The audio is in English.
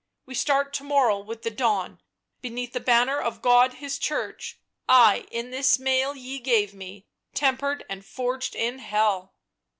"We start to morrow with the dawn — beneath the banner of God His Church; I, in this mail ye gave me, tem pered and forged in Hell